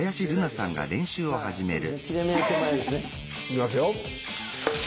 いきますよ。